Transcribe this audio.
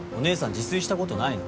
自炊したことないの？